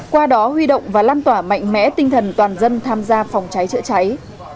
qua đó huy động và lan tỏa mạnh mẽ tinh thần toàn dân tham gia phòng cháy chữa cháy